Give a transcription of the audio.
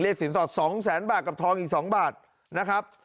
เรียกสินสอด๒๐๐๐๐๐บาทกับทองอีก๒บาทนะครับ